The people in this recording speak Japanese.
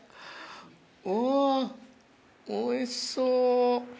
うわおいしそう。